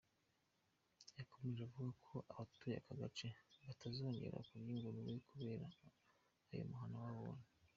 Yakomeje avuga ko abatuye ako gace batazongera kurya ingurube kubera aya mahano babonye.